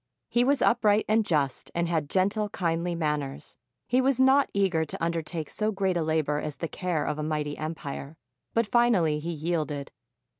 He was upright and just and had gentle, kindly manners. He was not eager to undertake so great a labor as the care of a mighty empire, but finally he yielded.